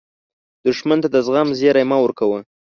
دښمن ته د زغم زیری مه ورکوه